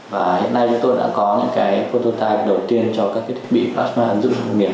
và hiện nay chúng tôi đã có những cái prototype đầu tiên cho các cái thiết bị plasma ứng dụng trong công nghiệp